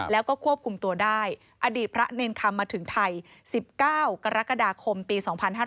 แล้วก็ควบคุมตัวได้อดีตพระเนรคำมาถึงไทย๑๙กรกฎาคมปี๒๕๕๙